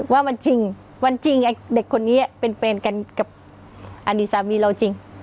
ว่ามันจริงมันจริงไอ้เด็กคนนี้เป็นแฟนกันกับอดีตสามีเราจริง